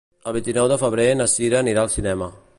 El vint-i-nou de febrer na Cira anirà al cinema.